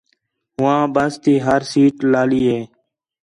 ہوآں بس تی ہر سیٹ لالی ہِے